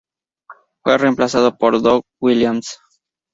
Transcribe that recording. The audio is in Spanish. Fue reemplazado por Doug Williams.